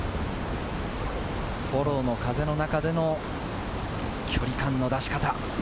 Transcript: フォローの風の中での距離感の出し方。